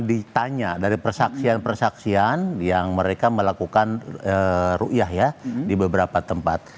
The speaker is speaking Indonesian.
ditanya dari persaksian persaksian yang mereka melakukan ⁇ ruiah ya di beberapa tempat